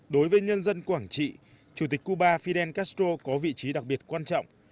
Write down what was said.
đối với nhân dân quảng trị chủ tịch cuba fidel castro có vị trí đặc biệt quan trọng